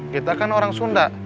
kita kan orang sunda